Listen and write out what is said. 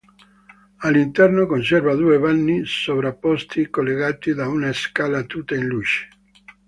All'interno conserva due vani sovrapposti, collegati da una scala tutta in luce.